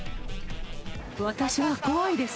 私は怖いです。